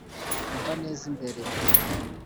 umva neza imbere.